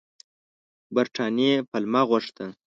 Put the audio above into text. برټانیې پلمه غوښته.